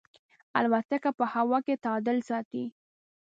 الوتکه په هوا کې تعادل ساتي.